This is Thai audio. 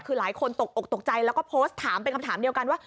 คือหลายคนตกอกตกใจแล้วก็โพสต์ถามเป็นคำถามเดียวกันว่า